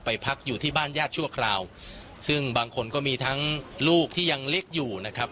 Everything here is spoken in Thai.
พักอยู่ที่บ้านญาติชั่วคราวซึ่งบางคนก็มีทั้งลูกที่ยังเล็กอยู่นะครับ